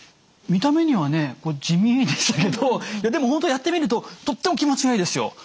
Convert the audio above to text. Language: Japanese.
見た目にはね地味ですけどでも本当やってみるととっても気持ちがいいですよ。